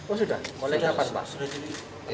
oh sudah mulai dari apa pak